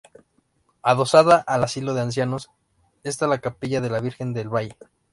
Adosada al Asilo de Ancianos, está la capilla de la Virgen del Valle.